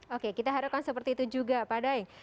oke kita harapkan seperti itu juga pak daeng